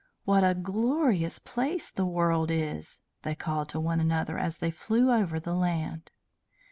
"What a glorious place the world is!" they called to one another as they flew over the land.